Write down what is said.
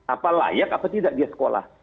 apalagi layak atau tidak dia sekolah